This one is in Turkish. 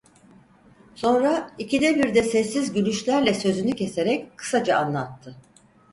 Sonra, ikide birde sessiz gülüşlerle sözünü keserek, kısaca anlattı…